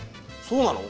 そうなの？